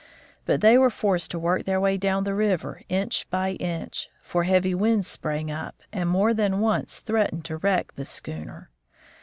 But they were forced to work their way down the river inch by inch, for heavy winds sprang up and more than once threatened to wreck the schooner.